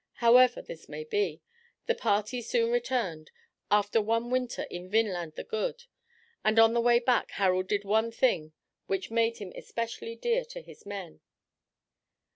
However this may be, the party soon returned, after one winter in Vinland the Good; and on the way back Harald did one thing which made him especially dear to his men.